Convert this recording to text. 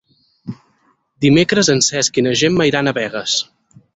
Dimecres en Cesc i na Gemma iran a Begues.